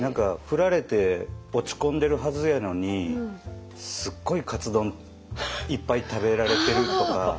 振られて落ち込んでるはずやのにすっごいカツ丼いっぱい食べられてるとか。